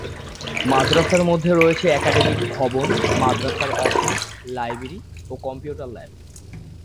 মাদ্রাসার মধ্যে রয়েছে একাডেমিক ভবন, মাদ্রাসার অফিস, লাইব্রেরী ও কম্পিউটার ল্যাব।